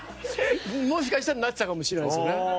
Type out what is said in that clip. もしかしたらなってたかもしれないですよね。